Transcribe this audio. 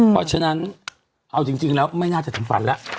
เพราะฉะนั้นเอาจริงแล้วไม่น่าจะถึงฝันแล้ว